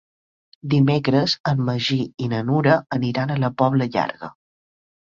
Dimecres en Magí i na Nura aniran a la Pobla Llarga.